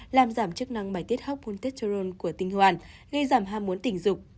làm giảm chức năng bài tiết hóc montessorol của tình hoàn gây giảm ham muốn tình dục